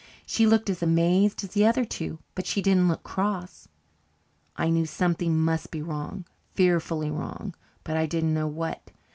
She looked as amazed as the other two, but she didn't look cross. I knew something must be wrong fearfully wrong but I didn't know what.